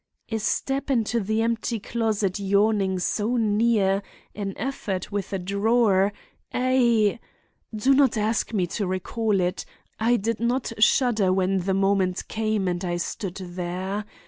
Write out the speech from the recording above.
A step into the empty closet yawning so near—an effort with a drawer—a—a— Do not ask me to recall it. I did not shudder when the moment came and I stood there.